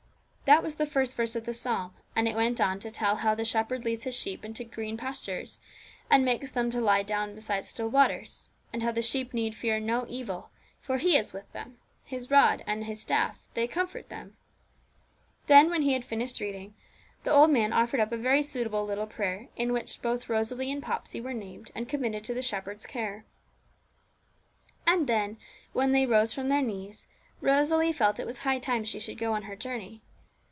That was the first verse of the psalm; and it went on to tell how the Shepherd leads His sheep into green pastures, and makes them to lie down beside still waters; and how the sheep need fear no evil, for He is with them; His rod and His staff they comfort them. Then, when he had finished reading, the old man offered up a very suitable little prayer, in which Rosalie and Popsey were both named, and committed to the Shepherd's care. And then, when they rose from their knees, Rosalie felt it was high time she should go on her journey.